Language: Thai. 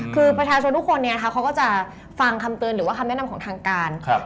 คือประชาชนทุกคนเนี่ยนะคะเขาก็จะฟังคำเตือนหรือว่าคำแนะนำของทางการ